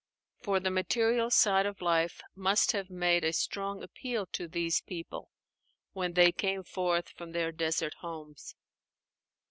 For the material side of life must have made a strong appeal to these people when they came forth from their desert homes.